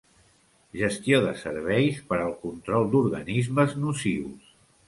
Gestió de serveis per al control d'organismes nocius.